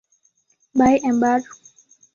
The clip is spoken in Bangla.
By, ember!